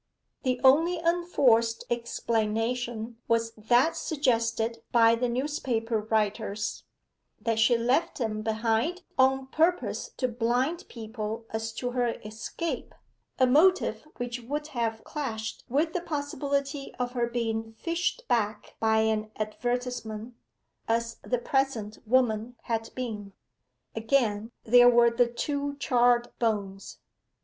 The only unforced explanation was that suggested by the newspaper writers that she left them behind on purpose to blind people as to her escape, a motive which would have clashed with the possibility of her being fished back by an advertisement, as the present woman had been. Again, there were the two charred bones.